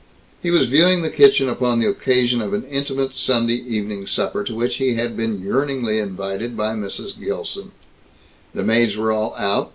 He was viewing the kitchen upon the occasion of an intimate Sunday evening supper to which he had been yearningly invited by Mrs. Gilson. The maids were all out.